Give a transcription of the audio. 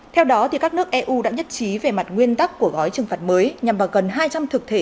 theo đó các nước eu đã nhất trí về mặt nguyên tắc của gói trừng phạt mới nhằm vào gần hai trăm linh thực thể